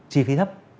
chi phí thấp